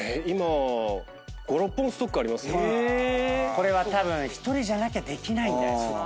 これはたぶん１人じゃなきゃできないんだよ。